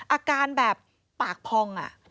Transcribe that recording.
อาการแบบปากพอง